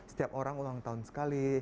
setiap orang ulang tahun sekali